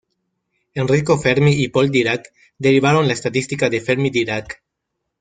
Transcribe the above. Enrico Fermi y Paul Dirac, derivaron la estadística de Fermi-Dirac.